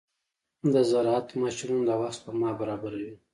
د زراعت ماشينونه د وخت سپما برابروي.